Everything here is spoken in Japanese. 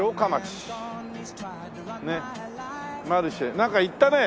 なんか行ったね